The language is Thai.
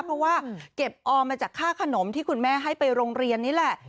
เพราะว่าเก็บออมมาจากค่าขนมที่คุณแม่ให้ไปโรงเรียนนี่แหละ